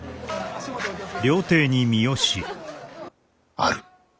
ある。